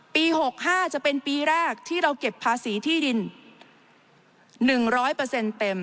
๖๕จะเป็นปีแรกที่เราเก็บภาษีที่ดิน๑๐๐เต็ม